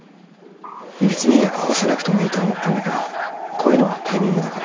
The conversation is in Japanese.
別に合わせなくてもいいとは思ったんだけどこういうのはタイミングだから。